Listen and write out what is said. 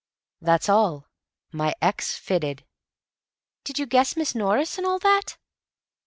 "That's all. My x fitted." "Did you guess Miss Norris and all that?"